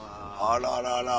あらららら。